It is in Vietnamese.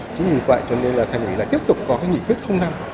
chính vì vậy cho nên là thành lý là tiếp tục có cái nghị quyết không năm